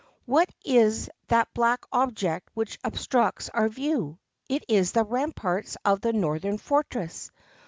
What is that black object which obstructs our view? It is the ramparts of the Northern Fortress.